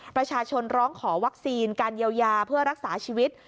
ร้องขอวัคซีนการเยียวยาเพื่อรักษาชีวิต